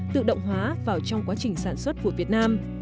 tự động hóa vào trong quá trình sản xuất của việt nam